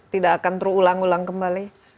tidak akan terulang ulang kembali